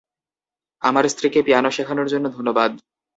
আমার স্ত্রীকে পিয়ানো শেখানোর জন্য ধন্যবাদ।